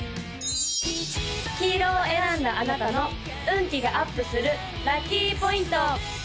黄色を選んだあなたの運気がアップするラッキーポイント！